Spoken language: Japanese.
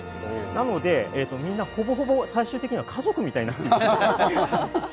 なので、みんなほぼほぼ最終的には家族みたいになっていたようです。